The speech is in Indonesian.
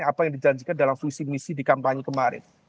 apa yang dijanjikan dalam visi misi di kampanye kemarin